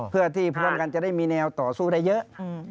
เพื่อที่เพื่อนกันจะได้มีแนวต่อสู้ได้เยอะ